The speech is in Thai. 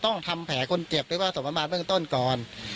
ต้องทำแผลคนเจ็บหรือว่าสมมาตรเบื้องต้นก่อน